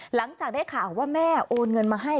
หลังจากได้ข่าวว่าแม่โอนเงินมาให้